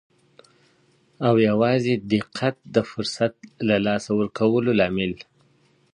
او یوازې دقت د فرصت له لاسه ورکولو لامل.